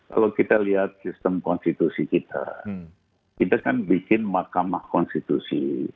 kalau kita lihat sistem konstitusi kita kita kan bikin mahkamah konstitusi